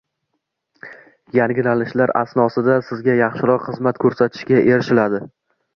Yangilanishlar asnosida Sizga yaxshiroq xizmat ko’rsatishga erishiladi